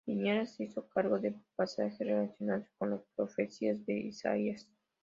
Villegas se hizo cargo de pasajes relacionados con las profecías de Isaías.